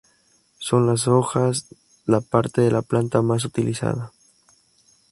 Son las hojas la parte de la planta más utilizada.